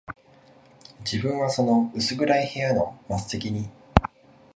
自分はその薄暗い部屋の末席に、